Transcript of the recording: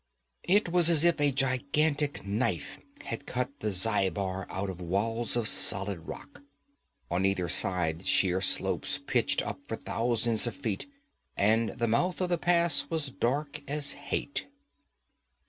It was as if a gigantic knife had cut the Zhaibar out of walls of solid rock. On either hand sheer slopes pitched up for thousands of feet, and the mouth of the Pass was dark as hate.